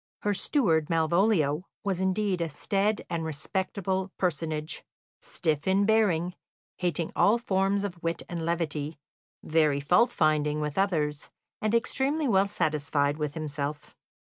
Her steward, Malvolio, was indeed a staid and respectable personage, stiff in bearing, hating all forms of wit and levity, very fault finding with others, and extremely well satisfied with himself.